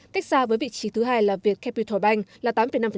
cách xa với vị trí thứ hai là việt capital bank là tám năm